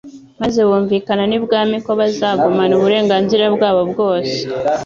maze bumvikana n'ibwami ko bazagumana uburenganzira bwabo bwose,